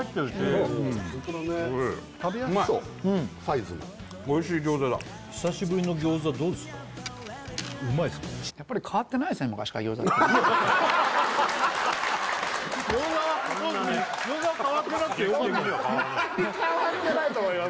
あんまり変わってないと思います